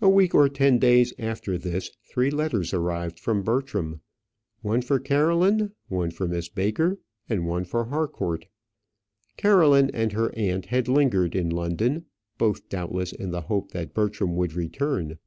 A week or ten days after this three letters arrived from Bertram, one for Caroline, one for Miss Baker, and one for Harcourt. Caroline and her aunt had lingered in London, both doubtless in the hope that Bertram would return.